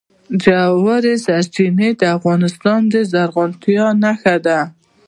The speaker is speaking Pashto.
ژورې سرچینې د افغانستان د زرغونتیا نښه ده.